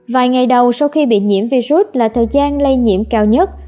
vài ngày đầu sau khi bị nhiễm virus là thời gian lây nhiễm cao nhất